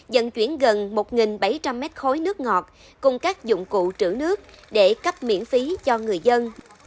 dẫn chuyển gần một bảy trăm linh mét khối nước ngọt cùng các dụng cụ trữ nước để cấp miễn phí cho người dân